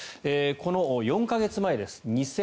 この４か月前です。